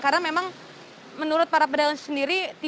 karena memang menurut para pedagang sendiri